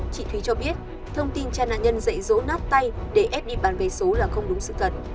chị thúy cho biết thông tin cha nạn nhân dạy dỗ nát tay để ép đi bán vé số là không đúng sự thật